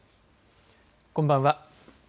こんばんは。